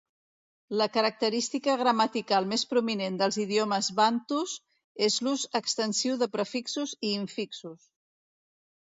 La característica gramatical més prominent dels idiomes bantus és l'ús extensiu de prefixos i infixos.